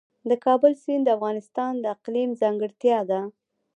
د کابل سیند د افغانستان د اقلیم ځانګړتیا ده.